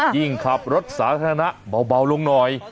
ยิ่งขับรถสาธารณะเบาลงหน่อย